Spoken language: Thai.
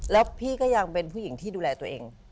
แล้วพี่ก็ยังเป็นผู้หญิงที่ดูแลตัวเอง